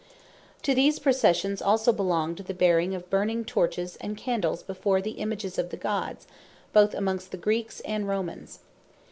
Wax Candles, And Torches Lighted To these Processions also belonged the bearing of burning Torches, and Candles, before the Images of the Gods, both amongst the Greeks, and Romans.